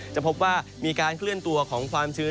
จะพบว่ามีการเคลื่อนตัวของความชื้น